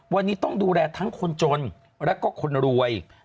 วันนี้ต้องดูแลทั้งคนจนแล้วก็คนรวย